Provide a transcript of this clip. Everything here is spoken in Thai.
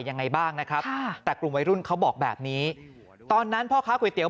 ยังไงบ้างนะครับแต่กลุ่มวัยรุ่นเขาบอกแบบนี้ตอนนั้นพ่อค้าก๋วยเตี๋ย